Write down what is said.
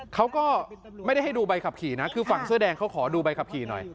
เขาก็ไม่ได้ให้ดูใบขับขี่นะคือฝั่งเสื้อแดงเขาขอดูใบขับขี่หน่อย